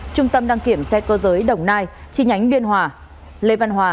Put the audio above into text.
trung tâm đăng kiểm xe cơ giới đồng nai chi nhánh biên hòa lê văn hòa